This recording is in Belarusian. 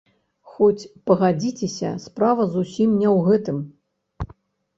Хоць, пагадзіцеся, справа зусім не ў гэтым.